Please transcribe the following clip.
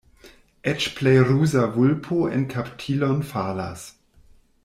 Eĉ plej ruza vulpo en kaptilon falas.